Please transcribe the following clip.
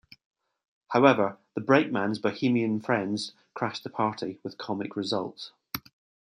However, the brakeman's bohemian friends crash the party, with comic results.